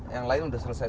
yang lain sudah selesai